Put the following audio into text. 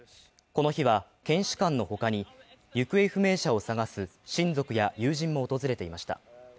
この日は、検視官の他に行方不明者を捜す親族や友人も訪れていました。